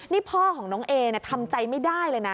นี่พ่อของน้องเอทำใจไม่ได้เลยนะ